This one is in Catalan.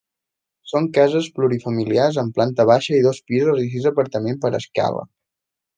Són cases plurifamiliars amb planta baixa i dos pisos i sis apartaments per escala.